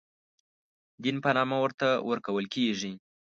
دین په نامه ورته ورکول کېږي.